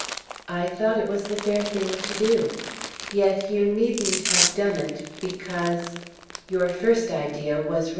"I thought it was the fair thing to do." "Yet you needn't have done it because your first idea was right!"